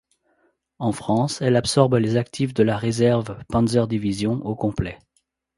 En France, elle absorbe les actifs de la Reserve-Panzerdivision au complet.